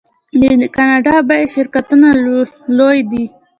د کاناډا بیمې شرکتونه لوی دي.